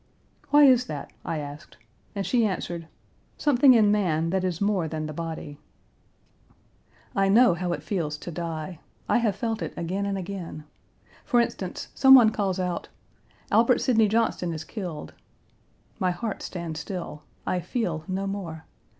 "Why is that?" I asked, and she answered, "Something in man that is more than the body." I know how it feels to die. I have felt it again and again. For instance, some one calls out, "Albert Sidney Johnston is killed." My heart stands still. I feel no more.